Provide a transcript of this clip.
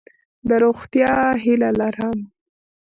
د روغتیا هیله لرم.